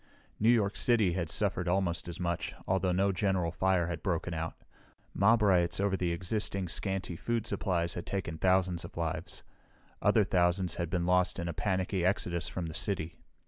New York City had suffered almost as much, although no general fire had broken out. Mob riots over the existing, scanty food supplies had taken thousands of lives. Other thousands had been lost in a panicky exodus from the city.